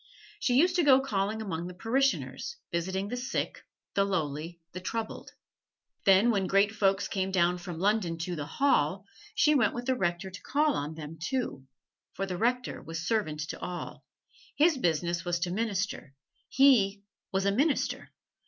She used to go calling among the parishioners, visiting the sick, the lowly, the troubled. Then when Great Folks came down from London to "the Hall," she went with the Rector to call on them too, for the Rector was servant to all his business was to minister: he was a Minister.